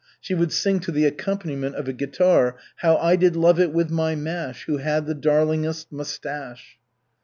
She would sing to the accompaniment of a guitar: /$ "How I did love it with my mash, Who had the darlingest mustache!"